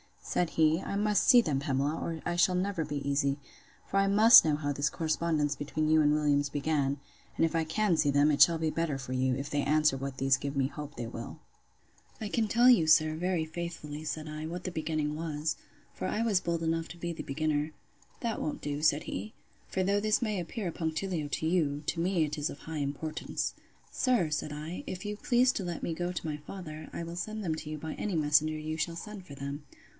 Said he, I must see them, Pamela, or I shall never be easy; for I must know how this correspondence between you and Williams began: and if I can see them, it shall be better for you, if they answer what these give me hope they will. I can tell you, sir, very faithfully, said I, what the beginning was; for I was bold enough to be the beginner. That won't do, said he; for though this may appear a punctilio to you, to me it is of high importance. Sir, said I, if you please to let me go to my father, I will send them to you by any messenger you shall send for them.